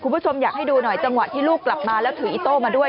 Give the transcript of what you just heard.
คุณผู้ชมอยากให้ดูหน่อยจังหวะที่ลูกกลับมาแล้วถืออิโต้มาด้วย